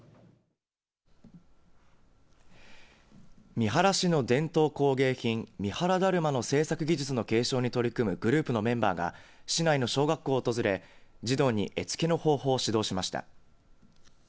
三原市の伝統工芸品三原だるまの製作技術の継承に取り組むグループのメンバーが市内の小学校を訪れ児童に絵付けの方法を指導しました。